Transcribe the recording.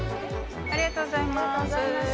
ありがとうございます。